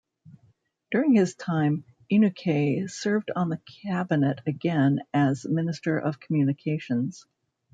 During his time, Inukai served on the cabinet again as Minister of Communications.